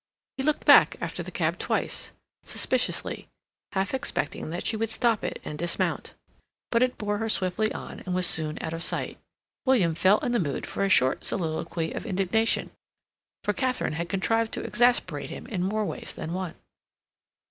He looked back after the cab twice, suspiciously, half expecting that she would stop it and dismount; but it bore her swiftly on, and was soon out of sight. William felt in the mood for a short soliloquy of indignation, for Katharine had contrived to exasperate him in more ways than one.